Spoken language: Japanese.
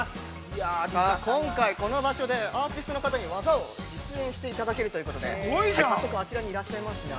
今回この場所でアーティストの方に技を実演していただけるということで、早速あちらにいらっしゃいますね。